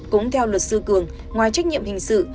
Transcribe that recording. cũng theo luật sư cường ngoài trách nhiệm hình sự